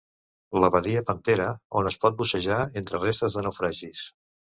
La badia Pantera, on es pot bussejar entre restes de naufragis.